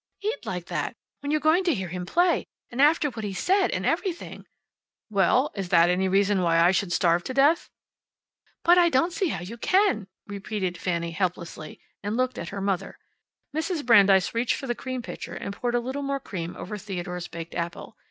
"Eat like that. When you're going to hear him play. And after what he said, and everything." "Well, is that any reason why I should starve to death?" "But I don't see how you can," repeated Fanny helplessly, and looked at her mother. Mrs. Brandeis reached for the cream pitcher and poured a little more cream over Theodore's baked apple.